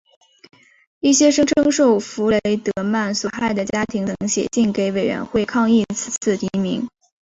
一些声称受弗雷德曼所害的家庭曾写信给委员会抗议此次提名。